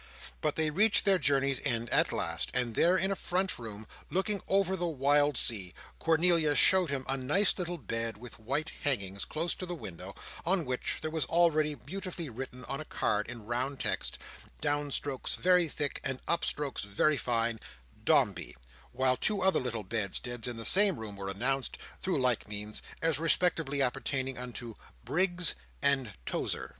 But they reached their journey's end at last; and there, in a front room, looking over the wild sea, Cornelia showed him a nice little bed with white hangings, close to the window, on which there was already beautifully written on a card in round text—down strokes very thick, and up strokes very fine—DOMBEY; while two other little bedsteads in the same room were announced, through like means, as respectively appertaining unto BRIGGS and TOZER.